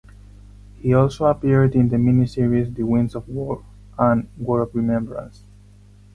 He also appeared in the miniseries "The Winds of War" and "War and Remembrance".